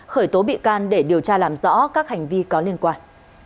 khởi tố bị can để điều tra làm rõ các hành vi có liên quan